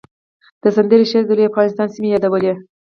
د سندرې شعر د لوی افغانستان سیمې یادولې